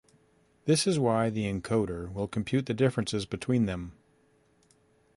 This is why the encoder will compute the differences between them.